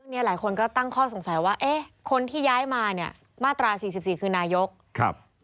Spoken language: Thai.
หลายคนก็ตั้งข้อสงสัยว่าเอ๊ะคนที่ย้ายมาเนี่ยมาตราสี่สิบสี่คือนายกครับ